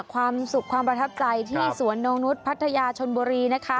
ความสุขความประทับใจที่สวนนงนุษย์พัทยาชนบุรีนะคะ